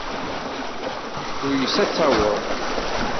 Tuyes ad taweḍ.